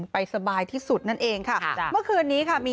ไปสบายที่สุดนั่นเองค่ะ